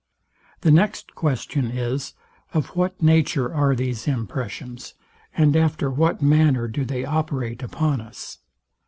The next question is, of what nature are these impressions, and after what manner do they operate upon us?